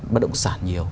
bất động sản nhiều